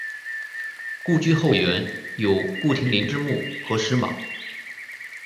故居后园有顾亭林之墓和石马。